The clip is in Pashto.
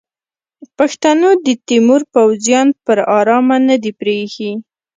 پښتنو د تیمور پوځیان پر ارامه نه دي پریښي.